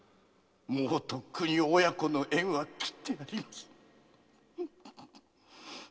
〔もうとっくに親子の縁は切ってあります！〕